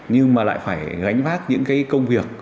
nhưng mà lại phải gánh vác những cái công việc